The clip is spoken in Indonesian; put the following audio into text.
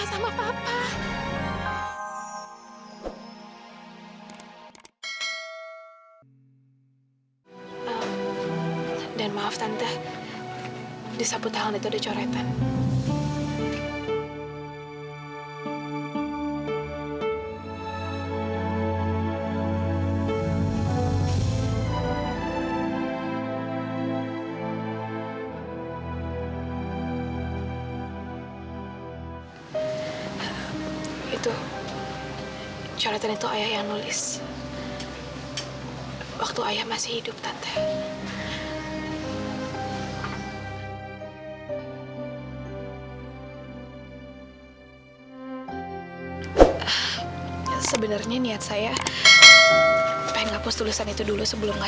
sampai jumpa di video selanjutnya